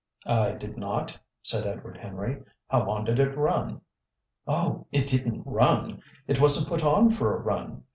"I did not," said Edward Henry. "How long did it run?" "Oh! it didn't run. It wasn't put on for a run.